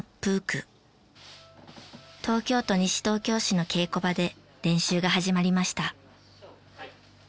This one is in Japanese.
東京都西東京市の稽古場で練習が始まりました。